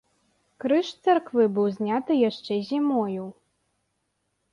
Крыж з царквы быў зняты яшчэ зімою.